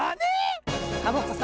⁉サボ子さん